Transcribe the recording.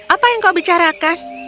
apa yang kau bicarakan